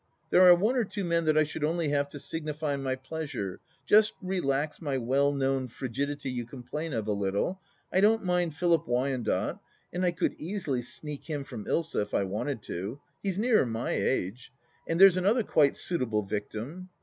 There are one or two men that I should only have to signify my pleasure — ^just relax my well known frigidity you complain of a little. ... I don't mind Philip Wyandotte, and I could easily sneak him from Ilsa if I wanted to ; he is nearer my age. And there's another quite suitable victim.